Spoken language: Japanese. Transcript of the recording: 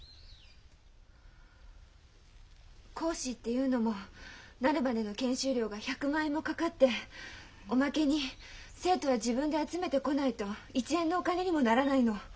講師っていうのもなるまでの研修料が１００万円もかかっておまけに生徒は自分で集めてこないと１円のお金にもならないの。